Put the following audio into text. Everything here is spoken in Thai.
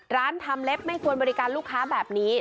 ทำเล็บไม่ควรบริการลูกค้าแบบนี้